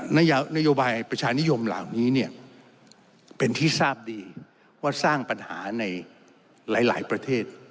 นโยบายประชานิยมเหล่านี้เนี่ยเป็นที่ทราบดีว่าสร้างปัญหาในหลายประเทศ